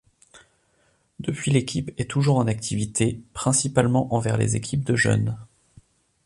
Depuis l'équipe est toujours en activité, principalement envers les équipes de jeunes.